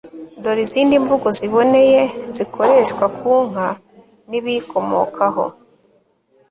dore izindi mvugo ziboneye zikoreshwa ku nka n ibiyikomokaho